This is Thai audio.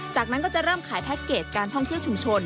จากนั้นก็จะเริ่มขายแพ็คเกจการท่องเที่ยวชุมชน